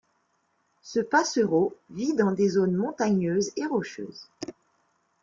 Ce passereau vit dans des zones montagneuses et rocheuses.